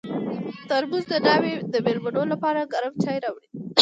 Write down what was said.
ترموز د ناوې د مېلمنو لپاره ګرم چای راوړي.